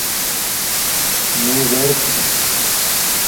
مِیں زَر تھی۔